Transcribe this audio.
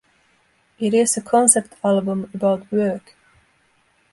It is a concept album about work.